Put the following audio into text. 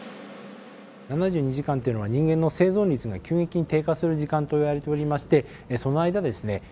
７２時間というのは人間の生存率が急激に低下する時間といわれておりましてその間ですね